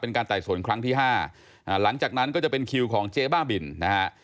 การไต่สวนครั้งที่ห้าหลังจากนั้นก็จะเป็นคิวของเจ๊บ้าบินนะฮะ